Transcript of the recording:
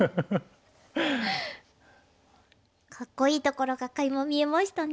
かっこいいところがかいま見えましたね。